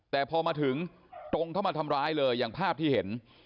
แต่พอมาถึงตรงเข้ามาทำร้ายเลยอย่างภาพที่เห็น